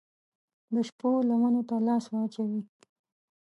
د شپو لمنو ته لاس واچوي